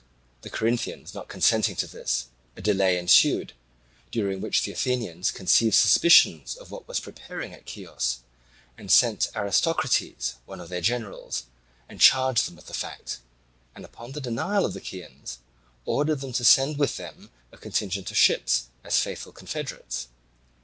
The Corinthians not consenting to this, a delay ensued, during which the Athenians conceived suspicions of what was preparing at Chios, and sent Aristocrates, one of their generals, and charged them with the fact, and, upon the denial of the Chians, ordered them to send with them a contingent of ships, as faithful confederates.